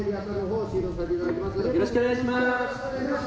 よろしくお願いします！